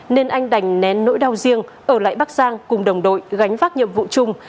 nên anh đành nén nỗi đau riêng ở lại bắc giang cùng đồng đội gánh vác nhiệm vụ chung